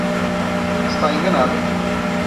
Está enganado.